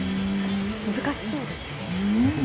難しそうですよね。